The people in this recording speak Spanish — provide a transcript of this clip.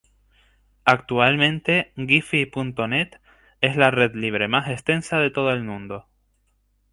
Actualmente, guifi.net es la red libre más extensa de todo el mundo.